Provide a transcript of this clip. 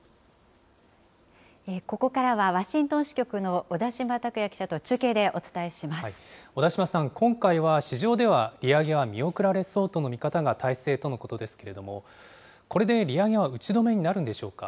ここからはワシントン支局の小田島拓也記者と中継でお伝えし小田島さん、今回は市場では利上げは見送られそうとの見方が大勢とのことですけれども、これで利上げは打ち止めになるんでしょうか。